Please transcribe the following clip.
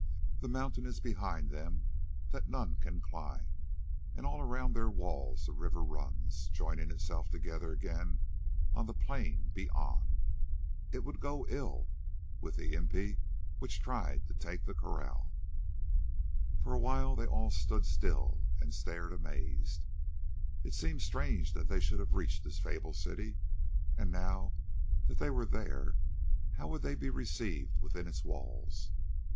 The mountain is behind them that none can climb, and all around their walls the river runs, joining itself together again on the plain beyond. It would go ill with the 'impi' which tried to take that kraal." For a while they all stood still and stared amazed. It seemed strange that they should have reached this fabled city; and now that they were there, how would they be received within its walls?